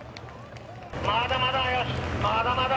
まだまだ、まだまだ！